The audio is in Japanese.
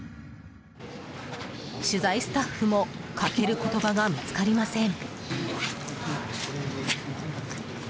取材スタッフもかける言葉が見つかりません。